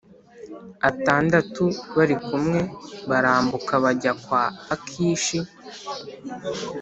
Atandatu bari kumwe barambuka bajya kwa akishi